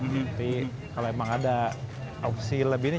jadi kalau emang ada opsi lebih nih